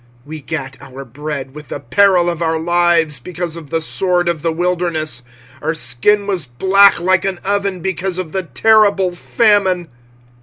25:005:009 We gat our bread with the peril of our lives because of the sword of the wilderness. 25:005:010 Our skin was black like an oven because of the terrible famine.